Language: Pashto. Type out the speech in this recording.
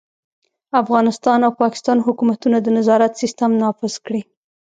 افغانستان او پاکستان حکومتونه د نظارت سیستم نافذ کړي.